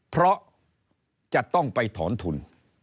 เพราะจะต้องไปถอนทุน